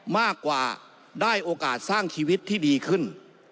มากกว่าได้โอกาสสร้างชีวิตที่ดีขึ้น